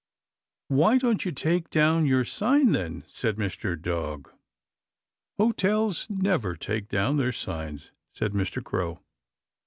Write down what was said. "Why don't you take down your sign, then?" said Mr. Dog. "Hotels never take down their signs," said Mr. Crow.